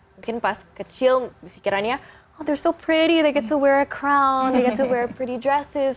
dan mungkin pas kecil pikirannya oh mereka sangat cantik mereka bisa memakai perut mereka bisa memakai pakaian cantik